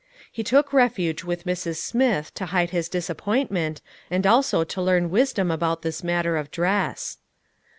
He took refuge with Mrs. Smith to hide his disappointment, and also to learn wis dom about this matter of dress.